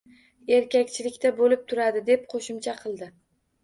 Erkakchilikda bo`lib turadi, deb qo`shimcha qildi